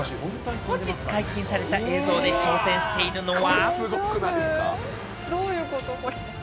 本日解禁された映像で挑戦しているのは。